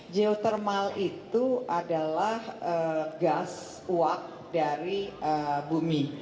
geothermal itu adalah gas uap dari bumi